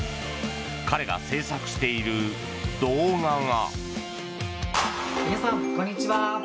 彼が制作している動画が。